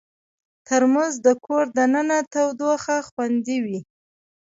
ترموز د کور دننه تودوخه خوندوي.